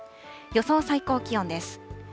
予想最高気温です。